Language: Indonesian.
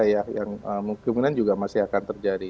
yang kemungkinan juga masih akan terjadi